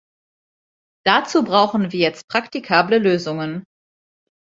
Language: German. Dazu brauchen wir jetzt praktikable Lösungen.